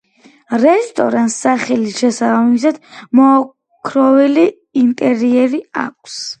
რესტორანს, სახელის შესაბამისად, მოოქროვილი ინტერიერი აქვს.